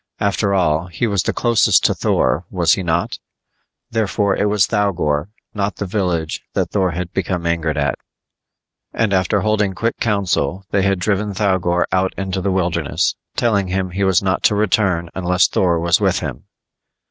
After all, he was the closest to Thor, was he not? Therefore it was Thougor, not the village, that Thor had become angered at. And after holding quick council, they had driven Thougor out into the wilderness, telling him he was not to return unless Thor was with him.